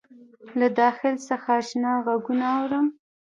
له داخل څخه آشنا غــــــــــږونه اورم